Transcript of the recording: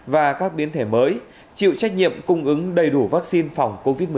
và các biến thể mới chịu trách nhiệm cung ứng đầy đủ vaccine phòng covid một mươi chín